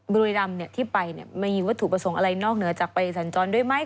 บริลำนี้ที่ไปเนี่ยไม่รู้ว่าถูกประสงค์อะไรนอกเหนือจากและสะจรด้วยมั้ย